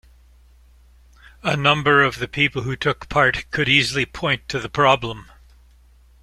A number of the people who took part could easily point to the problem